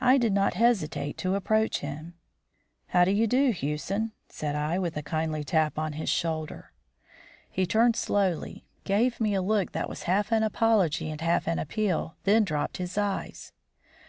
I did not hesitate to approach him. "How do you do, Hewson?" said I, with a kindly tap on his shoulder. He turned slowly, gave me a look that was half an apology and half an appeal, then dropped his eyes.